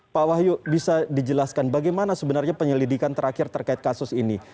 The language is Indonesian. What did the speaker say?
pak wahyu bisa dijelaskan bagaimana sebenarnya penyelidikan terakhir terkait kasus ini